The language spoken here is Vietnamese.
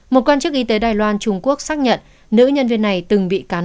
một quan chức y tế đài loan trung quốc xác nhận nữ nhân viên này từng bị cắn